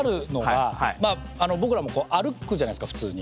僕らも歩くじゃないですか普通に。